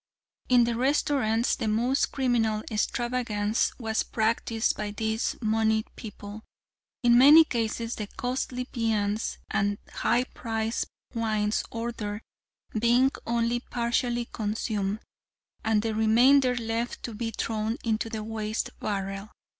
In the restaurants, the most criminal extravagance was practiced by these moneyed people, in many cases the costly viands and high priced wines ordered being only partly consumed, and the remainder left to be thrown into the waste barrel.